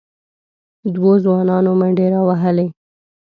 دوو ځوانانو منډې راوهلې،